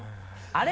「あれ？」